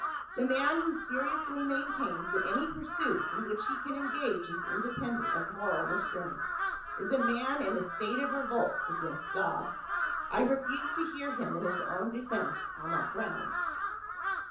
The man who seriously maintains that any pursuit in which he can engage is independent of moral restraint, is a man in a state of revolt against God. I refuse to hear him in his own defense, on that ground."